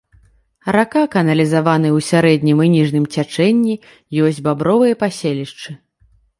Рака каналізаваная ў сярэднім і ніжнім цячэнні, ёсць бабровыя паселішчы.